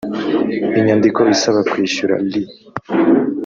inyandiko isaba kwishyura ri